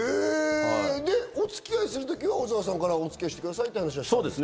で、おつきあいするときは、小澤さんからおつきあいしてくださいって話はしたんですか。